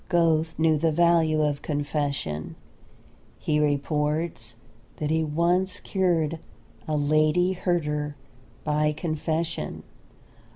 Goethe knew the value of confession. He reports that he once cured a Lady Herder by confession.